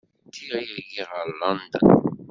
Ddiɣ yagi ɣer London.